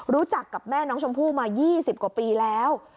รู้จักกับแม่น้องชมพู่มา๒๐กว่าปีแล้ว